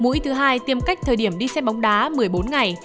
mũi thứ hai tiêm cách thời điểm đi xe bóng đá một mươi bốn ngày